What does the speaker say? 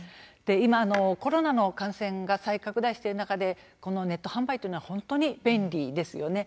今、コロナの感染が再拡大している中でこのネット販売というのは本当に便利ですよね。